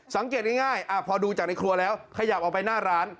สังเกตง่ายพอดูจากในครัวแล้วขยับออกไปหน้าร้าน